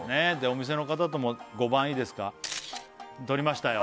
お店の方とも５番いいですか撮りましたよ